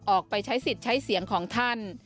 ออกไปใช้สิทธิ์ใช้เสียงของท่าน